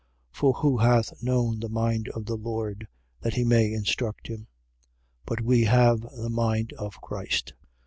2:16. For who hath known the mind of the Lord, that he may instruct him? But we have the mind of Christ.